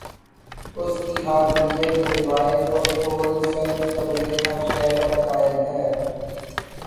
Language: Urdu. اس کی حاکمیت، روایت اور قول سلف سمیت ہر شے پر قائم ہے۔